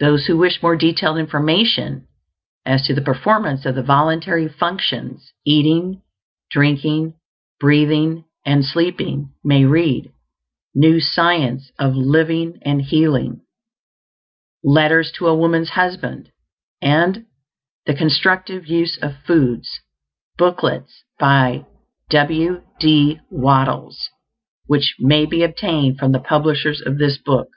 Those who wish more detailed information as to the performance of the voluntary functions eating, drinking, breathing, and sleeping may read "New Science of Living and Healing," "Letters to a Woman's Husband," and "The Constructive Use of Foods," booklets by W. D. Wattles, which may be obtained from the publishers of this book.